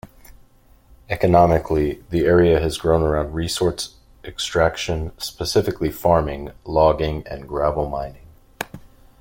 Economically, the area has grown around resource extraction, specifically farming, logging and gravel mining.